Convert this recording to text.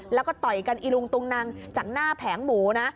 แล้วก็ต่อยกันอีลุงตุงนังจากหน้าแผงหมูนะ